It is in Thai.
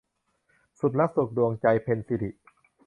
สุดรักสุดดวงใจ - เพ็ญศิริ